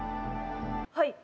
はい。